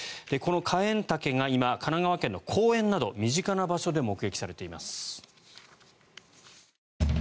カエンタケが今、神奈川県の公園など身近な場所で目撃されています。